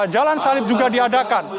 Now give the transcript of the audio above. jalan salib juga diadakan